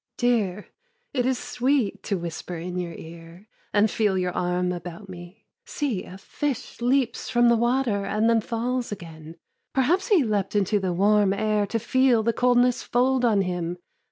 SHE : Dear, it is sweet to whisper in your ear, And feel your arm about me. See, a fish Leaps from the water and then falls again. Perhaps ho leapt into the warm air to feel The coldness fold on him.